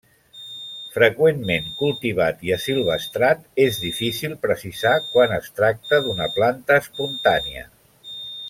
Freqüentment cultivat i assilvestrat, és difícil precisar quan es tracta d'una planta espontània.